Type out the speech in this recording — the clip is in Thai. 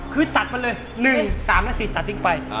คือจัดไปเลย๑๓๔จัดจริงไป